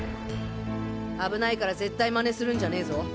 危ないから絶対真似するんじゃねぞ。